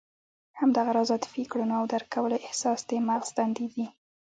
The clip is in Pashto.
همدغه راز عاطفي کړنو او درک کولو احساس د مغز دندې دي.